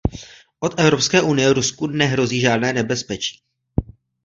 Od Evropské unie Rusku nehrozí žádné nebezpečí.